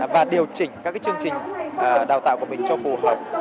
và điều chỉnh các chương trình đào tạo của mình cho phù hợp